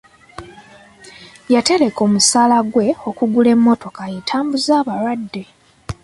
Yatereka omusaala gwe okugula emmotoka etambuza abalwadde.